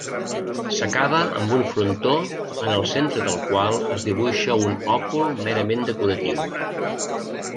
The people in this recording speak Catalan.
S'acaba amb un frontó en el centre del qual es dibuixa un òcul merament decoratiu.